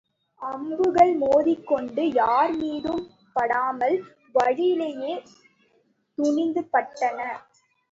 அம்புகள் மோதிக் கொண்டு யார் மீதும் படாமல் வழியிலேயே துணிபட்டன.